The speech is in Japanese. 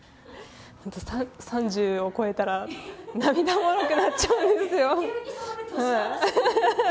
本当、３０を超えたら、涙もろくなっちゃうんですよ。